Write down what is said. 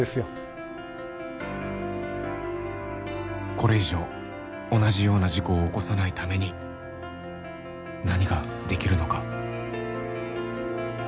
これ以上同じような事故を起こさないために何ができるのか。